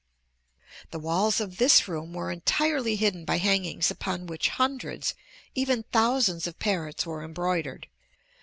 The walls of this room were entirely hidden by hangings upon which hundreds, even thousands, of parrots were embroidered.